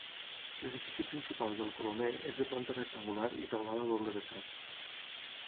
L'edifici principal del Colomer és de planta rectangular i teulada a doble vessant.